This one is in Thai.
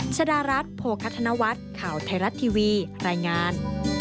ชดารัฐโภคธนวัฒน์ข่าวไทยรัฐทีวีรายงาน